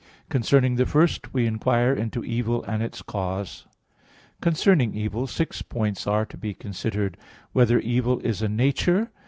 Concerning the first, we inquire into evil and its cause. Concerning evil, six points are to be considered: (1) Whether evil is a nature?